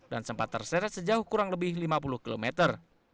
dan sempat terseret sejauh kurang lebih lima puluh kilometer